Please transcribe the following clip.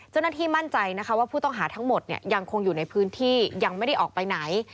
เจ้าหน้าที่มั่นใจนะคะว่าผู้ต้องหาทั้งหมดยังคงอยู่ในพื้นที่ยังไม่ได้ออกไปไหน